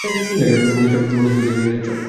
মুকেশ, কোথায় নিয়ে যাচ্ছ?